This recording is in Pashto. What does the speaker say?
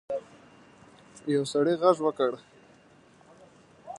یو سړي غږ وکړ.